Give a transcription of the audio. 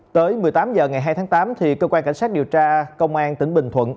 tới một mươi tám h ngày hai tháng tám cơ quan cảnh sát điều tra công an tỉnh bình thuận